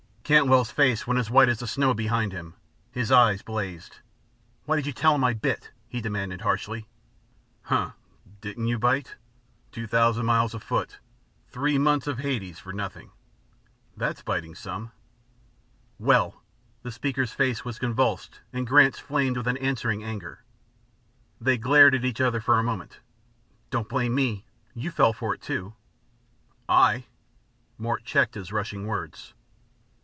Cantwell's face went as white as the snow behind him, his eyes blazed. "Why did you tell him I bit?" he demanded harshly. "Hunh! Didn't you bite? Two thousand miles afoot; three months of Hades; for nothing. That's biting some." "Well!" The speaker's face was convulsed, and Grant's flamed with an answering anger. They glared at each other for a moment. "Don't blame me. You fell for it, too." "I " Mort checked his rushing words.